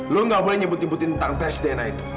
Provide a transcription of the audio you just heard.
lo nggak boleh nyebut nyebutin tentang tes dna itu